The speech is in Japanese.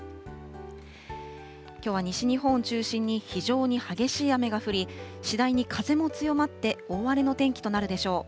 きょうは西日本を中心に非常に激しい雨が降り、次第に風も強まって、大荒れの天気となるでしょう。